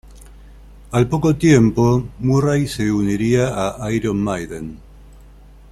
Al poco tiempo, Murray se uniría a Iron Maiden.